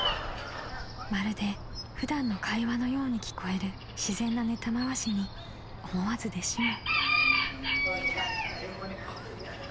［まるで普段の会話のように聞こえる自然なネタまわしに思わず弟子も］